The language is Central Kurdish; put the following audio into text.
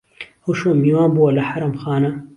ئهوشۆ میوان بووه له حەرەمخانه